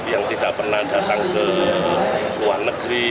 yang tidak pernah datang ke luar negeri